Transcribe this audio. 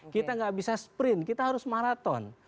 kita nggak bisa sprint kita harus maraton